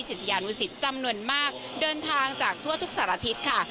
ศิษยานุสิตจำนวนมากเดินทางจากทั่วทุกสารทิศค่ะ